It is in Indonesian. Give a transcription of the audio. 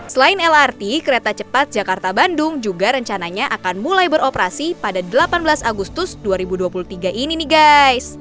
selain lrt kereta cepat jakarta bandung juga rencananya akan mulai beroperasi pada delapan belas agustus dua ribu dua puluh tiga ini nih guys